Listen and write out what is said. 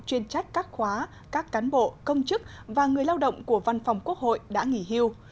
chuyên trách các khóa các cán bộ công chức và người lao động của văn phòng quốc hội đã nghỉ hưu